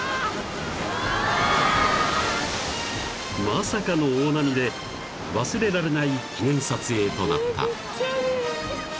［まさかの大波で忘れられない記念撮影となった］